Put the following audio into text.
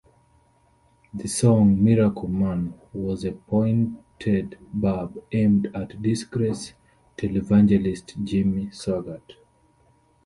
The song "Miracle Man" was a pointed barb aimed at disgraced televangelist Jimmy Swaggart.